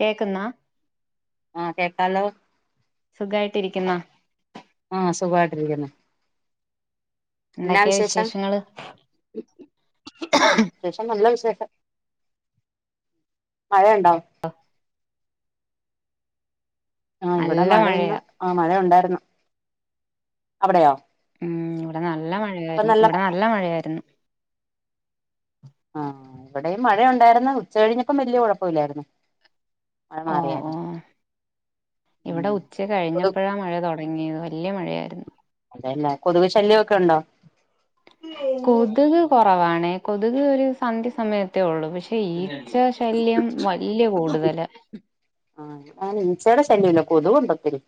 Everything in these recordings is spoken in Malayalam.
കേക്കുന്ന. ആഹ് കേക്കാലോ. സുഖായിട്ടിരിക്കുന്ന ആ സുഖായിട്ടിരിക്കുന്ന്‌. എന്നാ എന്തൊക്കെയാ വിശേഷം വിശേഷങ്ങള് വിശേഷം നല്ല വിശേഷം. മഴയുണ്ടോ? ആ ഇവടെ നല്ല മഴ ഇന്ന് മഴയാ ആ മഴ ഒണ്ടായിരുന്നു അവടെയോ? ഉം ഇവ്ടെ നല്ല മഴയായിരുന്നു ഇവ്ടെ നല്ല മഴയായിരുന്നു ആ ഇവിടെയും മഴയുണ്ടായിരുന്നു ഉച്ച കഴിഞ്ഞപ്പം വല്ല്യ കൊഴപ്പവില്ലായിരുന്നു. ഓ ഓ ഇവടെ ഉം ഉച്ച കൊതു കഴിഞ്ഞപ്പഴാ മഴ തൊടങ്ങിയത് വ ല്യ മഴയായിരുന്നു. അതേല്ലേ? കൊതുക് ശല്യോക്കേണ്ടോ? കൊതുക് കൊറവാണേ. കൊതുക് ഒരു സന്ധ്യ സമയത്തേ ഒള്ളു പക്ഷേ ഈ ച്ച ശല്യം വല്ല്യ കൂടുതലാ കൊതുക്കുണ്ടൊത്തിരി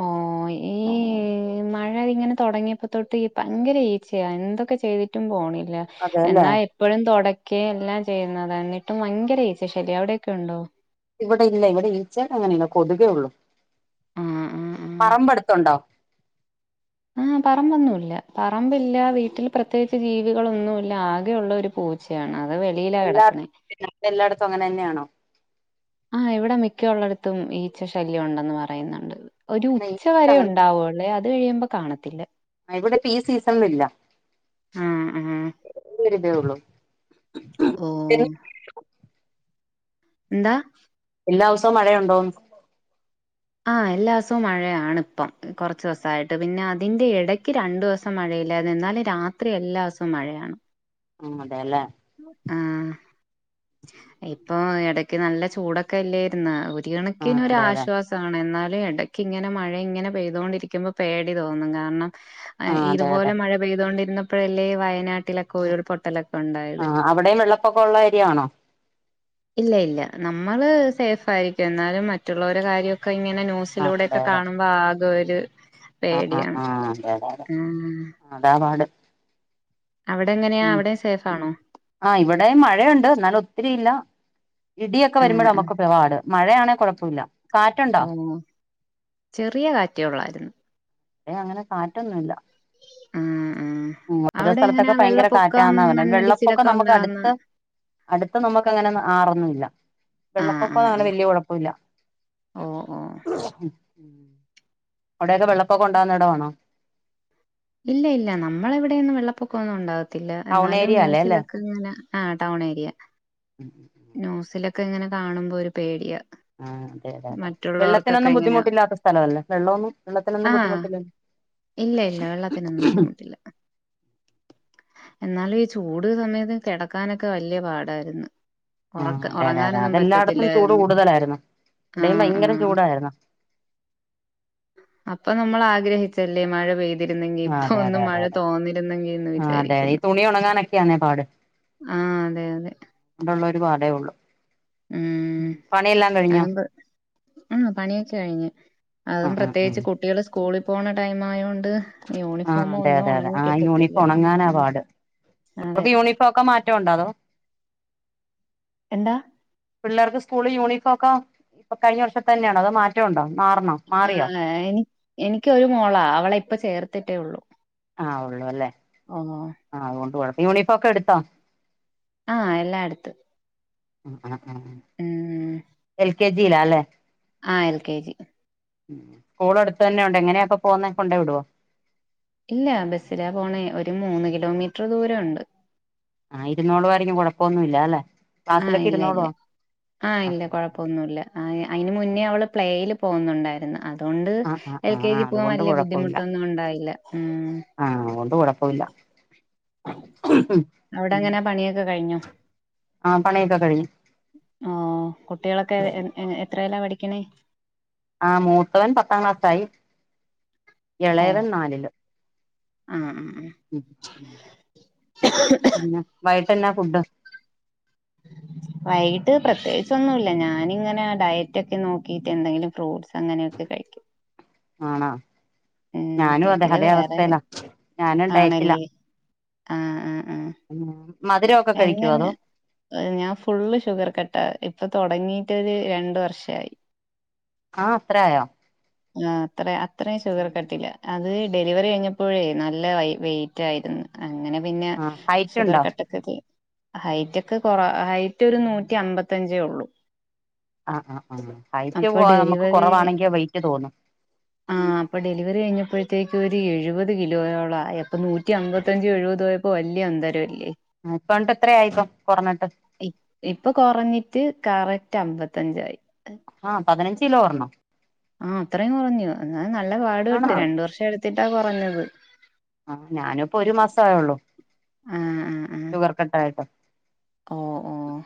ഓ ഈ മഴ ഇങ്ങനെ തൊടങ്ങി അപ്പോ തൊട്ട് ഈ ഭങ്കര ഈച്ചയാ എന്തൊക്കെ ചെയ്തിട്ടും പോണില്ല അതെല്ലേ എന്നാ എപ്പഴും തൊട കേ എല്ലാം ചെയ്യുന്നത എന്നി ട്ടും ഭങ്കര ഈച്ച ശല്യ അവിടേക്കേ ഇണ്ടോ ഇവിടെ ഇല്ല ഇവിടെ ഈച്ച അങ്ങനെയില്ല കൊതുകേ ഒള്ളൂ ആ ആ ആ പറബ് അട്ത്ത്ണ്ടോ ആഹ് പറമ്പൊന്നുല്ല പറമ്പില്ല വീട്ടിൽ പ്രത്യേകിച്ച് ജീവികളൊന്നുല്ല ആകെയള്ള ഒരു പൂ ച്ചയാണ് അത്‌ എല്ലാ എല്ലായിടത്തു അങ്ങനെന്നെയാണോ? ആഹ് ഇവിടെ മിക്ക ഉള്ളിടത്തും ഈച്ച ശല്യം ഉണ്ടെന്ന് പറയുന്നുണ്ട്. ഒരു ഉച്ച ഇവിടെ വരെ ഉണ്ടാവൂള്ളേ അത് കഴിയുമ്പോ കാണത്തില്ല ആഹ് ഇവിടിപ്പോ ഈ സീസണിൽ ഇല്ല ആഹ് ഒരു ഇതേയുള്ളു ഓ എന്താ എല്ലാ ദിവസവും മഴയുണ്ടോന്ന് ആഹ് എല്ലാ ദിവസവും മഴയാണ് ഇപ്പം കുറച്ച് ദിവസായിട്ട് പിന്നെ അതിന്റെ ഇടയ്ക്ക് രണ്ടു ദിവസം മഴ ഇല്ലായിരുന്നു എന്നാലും രാത്രി എല്ലാ ദിസവും മഴയാണ് ആഹ് അതെയല്ലേ ആഹ് ഇപ്പൊ ഇടക്ക് നല്ല ചൂടൊക്കെ അല്ലായിരുന്നോ ഒ ആ തിണക്കിനൊരു അതെ അതെ ആശ്വാ എന്നാലും എടയ്ക്ക് ഇങ്ങനെ മഴ ഇങ്ങനെ പെയ്തൊണ്ടിരിക്കുമ്പോ പേടി തോന്നും കാരണം ആ അതെ അതെ ഇതുപോലെ മഴ പെയ്തൊണ്ടിരുന്നപ്പോഴല്ലേ വയനാട്ടിലൊക്കെ ഉരുൾ പൊട്ടലൊക്കെ ണ്ടായത് ആ അവിടെയും വെള്ളപ്പൊക്കം ഉള്ള ഏരിയ ആണോ ഇല്ല ഇല്ല നമ്മള് സേഫ് ആയിരിക്കും എന്നാലും മറ്റുള്ളവരെ കാര്യക്കെ ഇങ്ങനെ ന്യൂസിലൂടെ ഒക്കെ കാണുമ്പോ ആകെ ഒരു അ അ പേടിയാണ് ആ അതെ അതെ ആഹ് അതാപാട്. അവിടെ എങ്ങനെയാ മ് അവിടെ സേഫ് ആണോ ആ ഇവിടെ മഴയുണ്ട് എന്നാലൊത്തിരിയില്ല. ഇടിയൊക്കെ വരുമ്പഴ ആഹ് ആഹ് നമുക്കപപാട് മഴയാണെ കുഴപ്പമില്ല. കാറ്റുണ്ടോ ഓ ചെറിയ കാറ്റ ഒള്ളായിരുന്നു. ഏ അങ്ങനെ കാറ്റൊന്നുല്ല. ആ അ ഉം ഓരോ സ്ഥലത്തൊക്കെ ഭയങ്കര കാറ്റാന്ന പറ വെള്ളപ്പൊക്കെ മണ്ണിടിച്ചിലൊക്കെ നമുക്ക് ഉണ്ടാവുന്ന അടുത്ത് അടുത്ത് നമ്മു അങ്ങനെന്നും ആറൊന്നുല്ല. ആഹ് ആഹ് വെള്ളപ്പൊക്കങ്ങനെ ആഹ് വല്യ കുഴപ്പുല്ല. ഓ ഓ അവിടെയൊക്കെ വെള്ളപ്പൊക്കണ്ടാവുന്ന ഇടമാണോ? ഇല്ല ഇല്ല നമ്മളവിടെന്നും വെള്ളപ്പൊക്കംന്നും ഉണ്ടാാവത്തില്ല ടൗൺ എന്നാലും ഏരിയ അല്ലേ അല്ലേ ന്യൂസിലൊക്കെങ്ങനെ ആ ടൗൺ ഏരിയ ക്കെ ഇങ്ങനെ കാണുമ്പോ ഒരു പേടിയാ. ആ അതെ അതെ അതെ മറ്റുള്ളവർക്കൊക്കെ വെള്ളത്തിനൊന്നും ഇങ്ങനെ ബുദ്ധിമുട്ടില്ലാത്ത സ്ഥലം അല്ലേ വെള്ളമൊന്നും വെള്ളത്തിനൊന്നും ആഹ് ബുദ്ധിമുട്ടില്ല ഇല്ല ഇല്ല വെള്ളത്തിനൊന്നും ബുദ്ധിമുട്ടില്ല. എന്നാലും ഈ ചൂട് സമയത്ത് കെടക്കാനൊക്കെ വല്യ പാടായിരുന്നു. ആഹ് ഉറക്ക അതെ അതെ അതെ ഉറങ്ങാനൊന്നും അതെല്ലായിടത്തും ചൂട് പറ്റത്തില്ലായിര്ന്ന് കൂടുതലായിരുന്നു ആ ഇവിടെയും ആ ഭയങ്കര ചൂടായിരുന്നു അപ്പൊ നമ്മൾ ആഗ്രഹിച്ചല്ലേ മഴ പെയ് ആ അതെ അതെ അതെ അതെ എന്ന് ആ അതെ ഈ വിചാരിക്കുന്നു തുണി ഉണങ്ങാനൊക്കെയാന്നെ പാട്. ആഹ് അതെ ണ്ടുള്ളൊരു പാഠേ ഒള്ളൂ മ് കഴിഞ്ഞോ അങ്പ ആ പണിയൊക്കെ കഴിഞ്ഞ് അതും ആഹ് ആഹ് പ്രത്യേകിച്ച് ആഹ് കുട്ടികള് സ്കൂളിൽ പോണ ടൈം ആയോ ണ്ട് ആഹ് അതെ യൂണിഫോമൊന്നും അതെ അതെ ഒണങ്ങി കിട്ടത്തില്ല മ്. ക്ക് യൂണിഫോംക്കെ മാറ്റം ഉണ്ടോ അതോ? എന്താ? പിള്ളേർക്ക് സ്കൂള് യൂണിഫോംക്കെ ഇപ്പൊ കഴിഞ്ഞ വർഷതന്നെയണോ അതൊ മാറ്റം ഉണ്ടോ? മാറണോ മാറിയോ? ആഹ് എനി എനിക്കൊരു മോളാ അവളിപ്പ ചേർത്തിട്ടേ ഉള്ളു. ആ ഉള്ളൂ ല്ലേ ആ അതുകൊണ്ട് കുഴപ്പം യൂണിഫോക്കെ എടുത്തോ? ആ എല്ലായിടത്ത് അ ആ എൽ കെ ജിയിലാ ല്ലേ? ആ എൽ കെ ജി സ്കൂള് അടുത്ത് തന്നെ ഉണ്ടോ എങ്ങനെയൊക്കെ പോകുന്നേ കൊണ്ട് വിടോ ഇല്ല ബസിലാ പോണേ ഒരു മൂന്ന് കിലോമീറ്റർ ദൂരുണ്ട് ആ ഇരുന്നൂളു വാരെങ്കും കുഴപ്പമൊന്നു ഇല്ല ല്ലെ ആ ഇല്ല ഇല്ല ആ ഇല്ല ആഹ് കൊഴപ്പൊന്നുല്ല ആ അയിന് മുന്നേ അവള് പ്ലേൽ പോകുന്നുണ്ടായിരുന്നു അ അതുകൊണ്ട് ആഹ് ആഹ് എൽ കെ ആഹ് ജി പോകവാൻ അതുകൊണ്ട് വലിയ കുഴപ്പമില്ല ബുദ്ധിമുട്ടൊന്നും ഉണ്ടായില്ല ഉം ആഹ് അതുകൊണ്ട് കുഴപ്പമില്ല അവിടെ ഉം എങ്ങനെ പണിയൊക്കെ കഴിഞ്ഞോ ആഹ് പണിയൊക്കെ കഴിഞ്ഞു ഓ കുട്ടികളൊക്കെ എ എ എത്രെലാ പഠിക് ക്ക്ണേ ആ മൂത്തവൻ പത്താം ക്ലാസ്സായി ഓ ഇളയവൻ നാലില് ആ ഉം ഉം പിന്നെ വൈട്ടന്നാ ഫുഡ് ഉ [unintelligible] വൈകിട്ട് പ്രത്യേകിച്ച ഒന്നുമല്ല ഞാനിങ്ങനെ ആ ഡയറ്റ ഒക്കെ നോക്കിട്ട് എന്തെങ്കിലും ഫ്രൂട്ട്സ് അങ്ങനെയൊക്കെ കഴിക്കും [unintelligible] ആണോ ഉം ഞാനും അതെ വീട്ടില് അതേ വേറെ അവസ്ഥല്ലാ ഞാനും ഇണ്ടായിട്ടില്ല ആഹ് ആഹ് ആഹ് മധുരമൊക്കെ കഴിക്കുവോ എങ്ങെനെ അതോ ഞാൻ ഫുള്ള് ഷുഗർ കട്ട ഇപ്പത്ത തുടങ്ങീട്ടത് രണ്ടു വർഷമായി ആഹ് അത്ര ആയോ ആ അത്ര അത്രയും ഷുഗർ കട്ടില്ല അത് ഡെലിവറി കഴിഞ്ഞപ്പോഴേ നല്ല വെയിറ്റ് ആയിരുന്നു അങ്ങനെ പിന്നെ ആഹ് ഹൈറ്റ് ഷുഗർ ഉണ്ടോ കട്ടക്ക ഹൈറ്റ് ക്ക് കൊറ ഹൈറ്റ് ഒരു നൂറ്റി അമ്പത്തയഞ്ചേ ഉള്ളൂ ആഹ് ആ അ ഹൈറ്റ് നമുക്ക് കുറവാണെങ്കിൽ വെറ്റ് തോന്നും ആ അപ്പൊ ഡെലിവറി കഴിഞ്ഞപ്പോഴ അത്തേക്ക് ഒരു എഴുപത് കിലോയോള ആ അപ്പൊ നൂറ്റി അമ്പത്തഞ്ച എഴുപത്യപ്പോ വലിയ അന്തരംല്ലേ ഇപ്പണ്ട് എത്രയായി ഇപ്പം കുറഞ്ഞിട്ട് ഇപ്പൊ കുറഞ്ഞിട്ട് കറ നറ്റ അമ്പത്തഞ്ചായി ആഹ പതിനഞ്ച് കിലോ കൊറഞ്ഞോ ആഹ അത്രയും കുറഞ്ഞു എന്നാ നല്ല പാട് ആണോ പെട്ട് രണ്ട വർഷം എടുത്തിട്ടാ കുറഞ്ഞത് ആഹ ഞാനിപ്പോ ഒരു മാസ ആയള്ളൂ ആഹ് ആഹ് ആഹ് ഷുഗർ കട്ട ആായിട്ടോ ഓഹ് ഓഹ്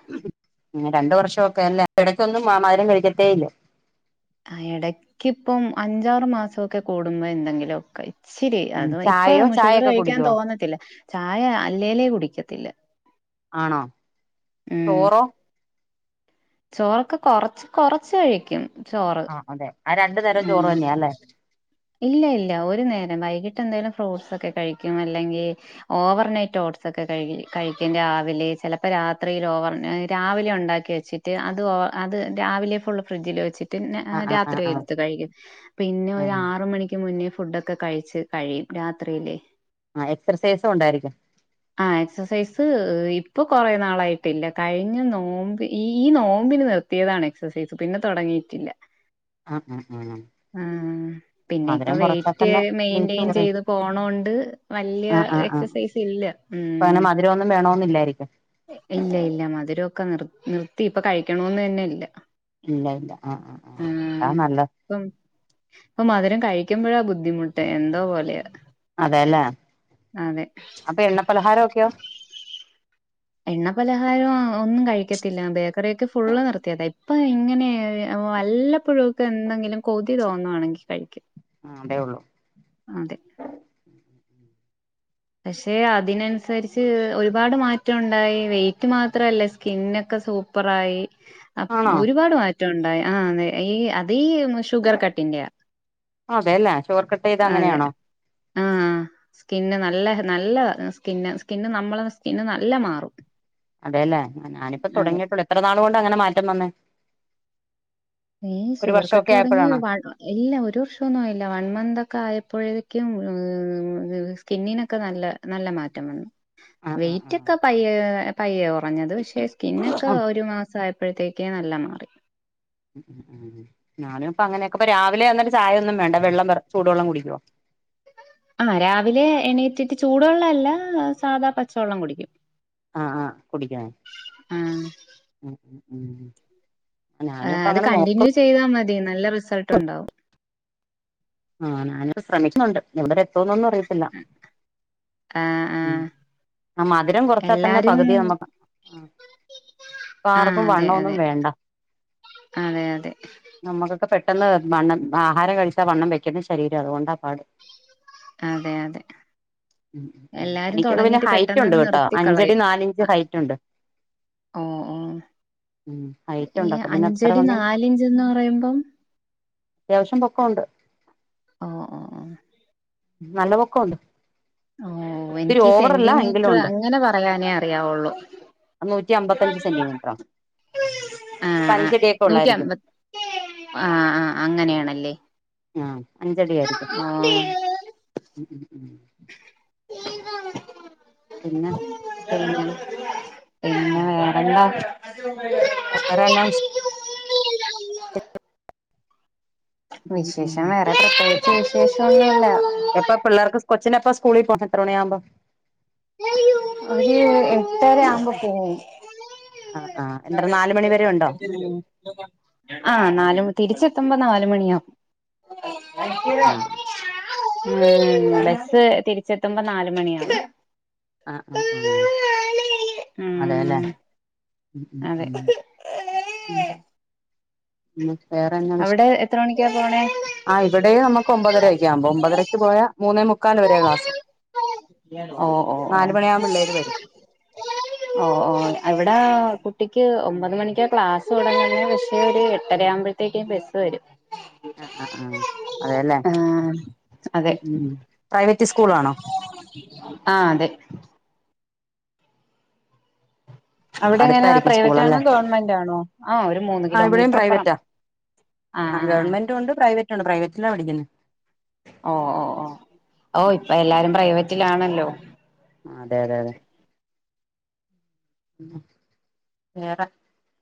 രണ്ട വർഷംക്കെ അല്ലേ ഇടക്കൊന്നും മധരം കഴിക്കത്തേ ഇല്ല ആ ഇടക്ക ഇപ്പം അഞ്ചാറ് മാസമൊക്കെ കൂടുമ്പോ എന്തെങ്കിലുമ ഒക്കെ ശരി ഉം അത് ഇപ്പൊ ചായയോ ഷുഗർ ചായയൊക്കെ കഴിക്കാൻ കുടിക്കുവോ തോന്നത്തില്ല ചായ അല്ലേലേ കുടിക്കത്തില്ല ആണോ ഉം ചോറോ ചോറൊക്കെ കൊറച്ച് കൊറച്ച് കഴിക്കും ആഹ് അതെ ആ രണ്ടു നേരം ഉ ചോറ് തന്നെയാ അല്ലേ ഇല്ല ഇല്ല ഒരു നേരം വൈകിട്ട് എന്തായിലും ക അല്ലെങ്കി ഓവർനൈറ്റ് ഓഡ്സ് ക്കെ കഴിക്കും രാവിലെ രാത്രിയിൽ ഓവർ രാവിലെ ഉണ്ടാക്കി വെച്ചിട്ട് അത്വ അത് രാവിലെ ഫുൾള് ഫ്രിഡ്ജിൽ വെച്ചിട്ട് ആഹ് ആഹ് ആഹ് രാത്രി ആഹ് എത്ത് കഴും പിന്നെ ഒരു ആഹ് ആറ മണിക്ക് മുന്നേ ഫുഡൊക്കെ കഴിച്ച് കഴിയും രാത്രിയിലെ ആഹ് എക്സർസൈസും ഉണ്ടായിരിക്കും ആഹ് എക്സസൈസ് ഇപ്പൾ കുറേ നാളായിട്ടില്ല കഴിഞ്ഞ നോമ്പ് ഈ ഈ നോമ്പന് നിർത്തിയതാണ് എക്സസൈസ് പിന്നെ തുടങ്ങി റ്റില്ല ആഹ ഉം ഉം ഉ ആ പിന്നെ ഇപ്പൊ വെറ്റ് തന്നെ വെയിറ്റ് മെയിന്റ്റയിൻ കുറയും ചെയ്ത് പോണോണ്ട് വല ആഹ് ആഹ് ആഹ് എക്സസൈസ് ഇല്ല ഉം ല്ലായിരിക്കും ഇല്ല ഇല്ല മധുരമൊക്കെ നിർ നിർത്തി ഇപ്പൊ കഴിക്കണോന്ന് തന്നെ ഇല്ല ഇല്ല ഇല്ല ആ ആ ആഹ് അതാ നല്ലത് അപ്പൊ മധുരം കഴിക്കുമ്പോഴാ ബുദ്ധിമുട്ട് എന്തോ പോലെയാ അതെല്ലേ അതെ അപ്പൊ എണ്ണ പലഹാരൊക്കെയോ എണ്ണ പലഹാരം ഒന്നും കഴിക്കത്തില്ല ബേക്കറിക്കെ ഫുള്ള് നിർത്തിയത ഇപ്പൊ എങ്ങനെ വല്ലപ്പോഴും ഒക്കെ എന്തെങ്കിലും കൊതി തോന്നുവാണെങ്കിൽ കഴിക്കും ആഹ് അതേ ഉള്ളൂ അതെ പക്ഷെ അതിനനുസരിച്ച് ഒരുപാട് മാറ്റം ഉണ്ടായി വെയിറ്റ് മാത്രല്ല സ്കിനോക്കെ സൂപ്പറായി ആണോ ഒരുപാട് മാറ്റണ്ടായി ആ അതെ ഇ അത്‌ ഇ ഷുഗർ കട്ടിന്റെ അതെല്ലേ ഷുഗർ കട്ട് ചെയ്താ അതെ അങ്ങനെയാണോ ആ സ്കിൻ നല്ല നല്ല സ്കിന്ന് സ്കിന്ന് നമ്മളെ സ്കിന്ന് നല്ല മാറും അതെയല്ലേ ആ ഞാനിപ്പ അതെ തുടങ്ങിട്ടേയുള്ളൂ എത്ര നാള് കൊണ്ടാ അങ്ങനെ മാറ്റം വന്നേ ഏ ഒരു ഷുഗർ കട്ട് വർഷമൊക്കെ തുടങ്ങി ആയപ്പോഴാണോ വ ഇല്ല ഒരു വർഷം ഒന്നുമായില്ല വൺ മന്ത് ഒക്കെ ആയപ്പോഴേ ക്കും സ്കിന്നിനൊക്കെ നല്ല നല്ല മാറ്റം വന്നു ആ ആ ആ വെയിറ്റൊക്കെ പയ്യെ പയ്യയാ കുറഞ്ഞത് പക്ഷെ സ്കിനൊക്കെ ഉം ഒരു മാസം ആയ പ്പോഴത്തേക്കും നല്ല മാറി ഉം ഉം ഉം ഞാനും ഇപ്പോ അങ്ങനൊക്കെ ഇപ്പൊ രാവിലെ ആന്നേരം ചായയൊന്നും വേണ്ട വെള്ളം വെറും ചുടുവെള്ളം കുടി ക്കുവോ ആഹ് രാവിലെ എണീറ്റിട്ട് ചൂടുവെള്ളം അല്ല സാധാ പച്ചവെള്ളം കുടിക്കും ആ ആ കുടിക്കണേ ആഹ് ഉം ഉം ഉം ഞാനും ആഹ് ഇപ്പ അത് അങ്ങനെ നോ കണ്ടിന്യൂ ചെയ്താ മതി നല്ല റിസൾട്ട് ഉണ്ടാവും ആഹ് ഞാനിപ്പോ ശ്രമിക്കുന്നുണ്ട് എവിടെ വരെ എത്തൂന്നൊന്നും അറിയത്തില്ല ആഹ് ഉം ആഹ് ആ മധുരം കുറച്ചാ തന്നെ എല്ലാരും പകുതി നമ്മക്ക് ആ ഇപ്പോ ആഹ് ആർക്കും അതെ വണ്ണവൊന്നും അതെ വേണ്ട അതെ അതെ നമ്മുക്കൊ ക്കെ പെട്ടെന്ന് വണ്ണം ആഹാരം കഴിച്ചാൽ വണ്ണം വെയ്ക്കുന്ന ശരീരവാ അതുകൊണ്ടാ പാട് അതെ അതെ ഉം ഉം ഉം. എല്ലാരും എനിക്കൊക്കെ പിന്നെ തൊടങ്ങിട്ട് ഹൈറ്റ് ഉണ്ട് പെട്ടെന്ന്ങ്ങ് കേട്ടോ നിർത്തി അഞ്ചടി കളയും നാലിഞ്ച് ആഹ് ഹൈറ്റ് ഉണ്ട് ഓഹ് ഓഹ് ഉം ഹൈറ്റ് ഉണ്ട് അപ്പൊ പിന്നെ അത്ര അഞ്ചടി വണ്ണം നാലിഞ്ചന്ന് പറയുമ്പം അത്യാവശ്യം പൊക്കൊണ്ട് ഓ ഓ ഓ നല്ല പൊക്കൊണ്ട് ഓ എനിക്ക് ഈ സെന്റിമീറ്റർ അങ്ങനെ പറയാനേ അറിയാവുള്ളൂ നൂറ്റി അമ്പത്തിയഞ്ച് സെന്റിമീറ്ററോ അപ്പൊ ആഹ് ആഹ് അഞ്ചടിയൊക്കെ നൂറ്റി ഒള്ളായിരിക്കും അമ്പ ആഹ് ആഹ് അങ്ങനെയാണല്ലേ ആഹ് അഞ്ചടിയായിരിക്കും ഓ പിന്നെ പിന്നെ പിന്നെ വേറെന്താ വേറെന്നാ വി ഉം ഉം വിശേഷം വേറെ പ്രത്യേകിച്ച് വിശേഷ ഒന്നുല്ല എപ്പൊ പിള്ളേർക്ക് കൊച്ചിന് എപ്പോ സ്കൂളി പോണം എത്ര മണിയാവുമ്പോൾ ഒരു എട്ടര ആവുമ്പോ പോവും ആ ആ എത്ര നാല് മണി വരെ ഉണ്ടോ ആഹ് നാല് തിരിച്ചെത്തുമ്പോ നാല് മണിയാവും ആഹ് ബസ് തിരിച്ചെത്തുമ്പോ നാലുമണിയാ ആ ആ ആ ഉം അതെല്ലേ ഉം അതെ ഉം വേറെന്നാ വിശേ അവിടെ എത്ര മണിക്കാ പോണേ ആ ഇവിടെ അമുക്ക് ഒമ്പതരക്ക ആകുമ്പോ ഒമ്പതരയ്ക്ക് പോയാ മൂന്നേ മു ക്കാല് വരെയാ ക്ലാസ് നാലുമണിയാമ്പ പിള്ളേര് വരും ഓഹ് ഓഹ് ഇവിട കുട്ടിക്ക് ഒമ്പത് മണിക്കാ ക്ലാസ് തുടങ്ങുന്നേ പക്ഷേ ഒരു എട്ടരയാവുമ്പോഴത്തേക്ക് ബസ് വരും ആഹ് ആഹ് ആഹ് അതെല്ലേ [unintelligible] സ്കൂളാണോ ആഹ് അതെ, അവിടെ എങ്ങനെ അടുത്തായിരിക്കും പ്രൈവറ്റ് സ്കൂളല്ലേ ആണോ? ഗവണ്മെന്റാണോ? ആഹ് ഒര് മൂന്ന് കിലോമീറ്റർ ഇപ്പറം ആഹ് ഗവണ്മെന്റ് ഉണ്ട് പ്രൈവറ്റ് ഉണ്ട് പ്രൈവറ്റിലാ പഠിക്ക്‌ന്നെ. ഓഹ് ഓഹ് ഓഹ് ഓഹ് ഇപ്പൊ എല്ലാരും പ്രൈവറ്റിലാണല്ലോ? ആഹ് അതെ അതെ വേറെ,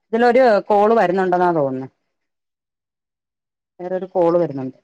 ഇതിലൊര് കോള് വര് ന്നുണ്ടെന്നാ തോന്ന്ണെ വേറൊരു കോള് വെര്ന്നുണ്ട്.